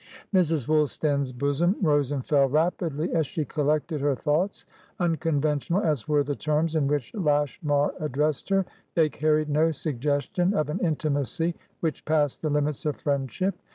Mrs. Woolstan's bosom rose and fell rapidly as she collected her thoughts. Unconventional as were the terms in which Lashmar addressed her, they carried no suggestion of an intimacy which passed the limits of friendship.